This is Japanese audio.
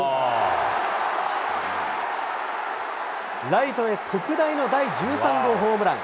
ライトへ特大の第１３号ホームラン。